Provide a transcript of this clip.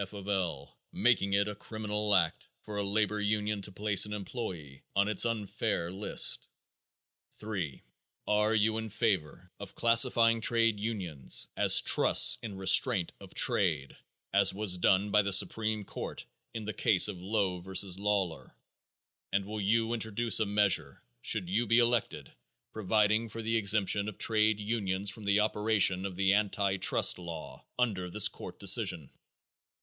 F. of L., making it a criminal act for a labor union to place an employer on its unfair list? 3. Are you in favor of classifying trade unions as "trusts in restraint of trade," as was done by the supreme court in the case of Lowe vs. Lawler, and will you introduce a measure, should you be elected, providing for the exemption of trade unions from the operation of the anti trust law under this court decision?